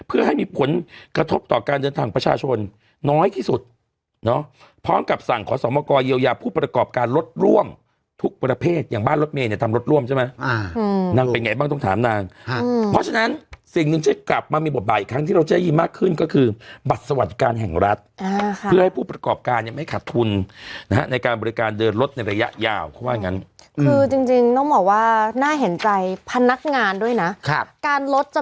อืมนั่งเป็นไงบ้างต้องถามนางอืมเพราะฉะนั้นสิ่งหนึ่งจะกลับมามีบทบาทอีกครั้งที่เราจะได้ยินมากขึ้นก็คือบัตรสวรรค์การแห่งรัฐอ่าค่ะเพื่อให้ผู้ประกอบการยังไม่ขาดทุนนะฮะในการบริการเดินรถในระยะยาวเพราะว่างั้นคือจริงจริงน้องหมอว่าน่าเห็นใจพนักงานด้วยนะครับการลดจ